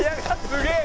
すげえ！